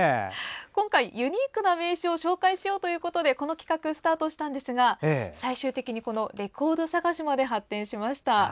今回、ユニークな名刺を紹介しようということでこの企画がスタートしたんですが最終的にレコード探しまで発展しました。